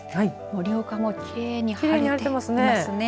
盛岡もきれいに晴れていますね。